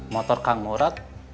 motor kang murad